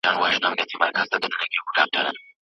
ښاماران مي تېروله